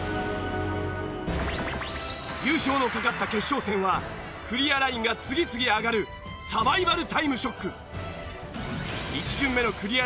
優勝のかかった決勝戦はクリアラインが次々上がるサバイバルタイムショック。